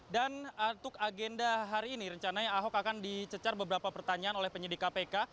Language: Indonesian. dan untuk agenda hari ini rencananya ahok akan dicecar beberapa pertanyaan oleh penyidik kpk